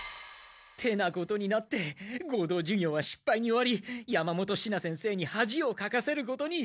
てなことになって合同授業はしっぱいに終わり山本シナ先生にはじをかかせることに。